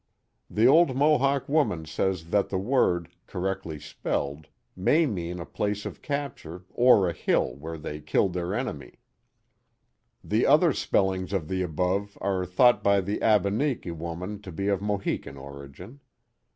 The old Mohawk woman says that the word, correctly spelled, may mean a place of capture, or a hill where they killed their enemy. The other spellings of the above are thought by the Abeniki woman to be of Mohican origin.